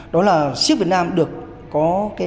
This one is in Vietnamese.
đó là siếc việt nam được có